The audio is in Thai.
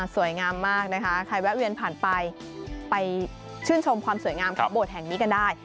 สวยงามมากนะคะใครแวะเวียนผ่านไปไปชื่นชมความสวยงามของโบสถ์แห่งนี้กันได้